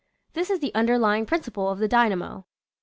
This is the underlying principle of the dynamo.